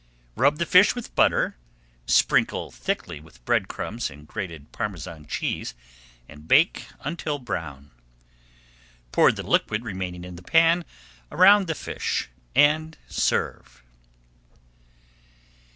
Rub the fish with butter, sprinkle thickly with bread crumbs and grated Parmesan cheese, and bake until brown. Pour the liquid remaining in the pan around the fish and serve.